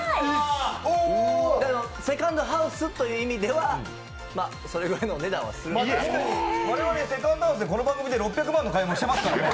セカンドハウスという意味ではそれぐらいの値段はする我々、セカンドハウスで６００万の買い物してますからね。